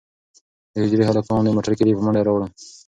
د حجرې هلکانو د موټر کیلي په منډه راوړه.